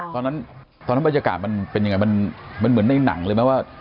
ตอนนั้นตอนนั้นบรรยากาศมันเป็นยังไงมันเหมือนในหนังเลยไหมว่า